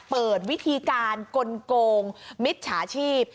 เปิดวิธีการกลงมิจฉาชีพ